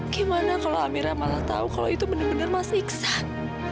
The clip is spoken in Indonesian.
gimana kalau amira malah tahu kalau itu benar benar masih iksan